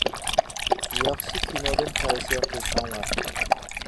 ياخشى كىنودىن تەۋسىيە قىلساڭلار.